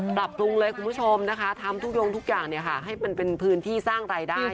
ปรับปรุงเลยคุณผู้ชมนะคะทำทุกยงทุกอย่างให้มันเป็นพื้นที่สร้างรายได้